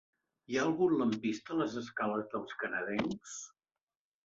Hi ha algun lampista a les escales dels Canadencs?